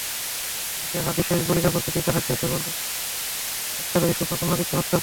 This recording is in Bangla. যাহা বিশেষ বলিয়া পরিচিত, তাহা সেই সর্বানুস্যূত সত্তারই সূক্ষ্ম পুনরাবৃত্তি-মাত্র।